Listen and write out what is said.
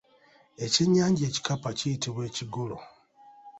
Ekyennyanja ekikapa kiyitibwa ekigolo.